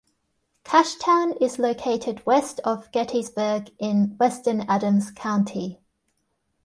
Cashtown is located west of Gettysburg in western Adams County.